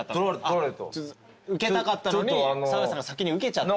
受けたかったのに澤部さんが先に受けちゃった。